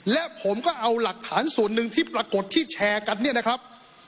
และผมก็เอาหลักฐานส่วนหนึ่งที่ปรากฏที่แชร์กันเนี่ยนะครับ